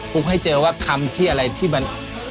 ุ๊กให้เจอว่าคำที่อะไรที่มัน